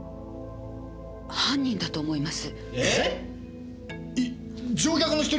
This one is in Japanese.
ええ犯人だと思います。